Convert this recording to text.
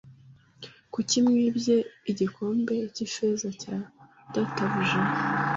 kuki mwibye igikombe cy’ifeza cya databuja